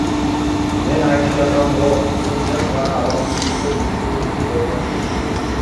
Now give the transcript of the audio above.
Мен айтып жатам го, бул жөн гана алаксытуу чуусу болгон.